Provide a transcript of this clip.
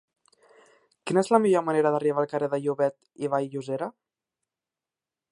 Quina és la millor manera d'arribar al carrer de Llobet i Vall-llosera?